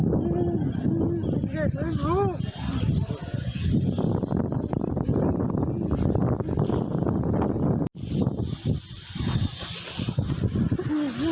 สวัสดีสวัสดี